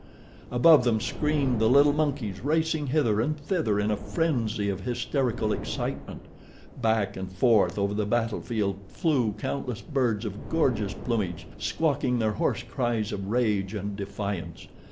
Above them screamed the little monkeys, racing hither and thither in a frenzy of hysterical excitement. Back and forth over the battle field flew countless birds of gorgeous plumage, squawking their hoarse cries of rage and defiance.